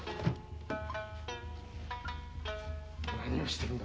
何をしてるんだ。